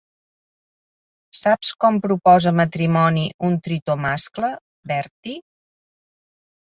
Saps com proposa matrimoni un tritó mascle, Bertie?